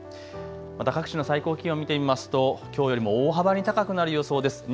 また各地の最高気温見ていますときょうよりも大幅に高くなる予想です。